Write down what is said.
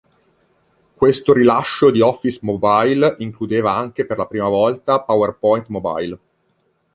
Questo rilascio di Office Mobile includeva anche per la prima volta PowerPoint Mobile.